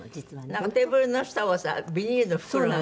なんかテーブルの下をさビニールの袋が。